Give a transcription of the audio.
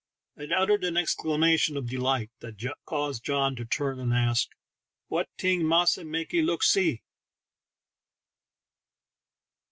I uttered an exclamation of delight that caused John to turn and ask, "What ting massa makee look see?"